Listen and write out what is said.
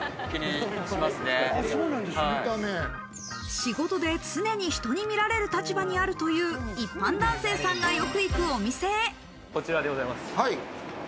仕事で常に人に見られる立場にあるという一般男性さんがよく行くお店へ。